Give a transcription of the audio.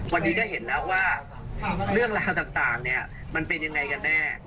วันนี้ก็เห็นแล้วว่าเรื่องราวต่างเนี่ยมันเป็นยังไงกันแน่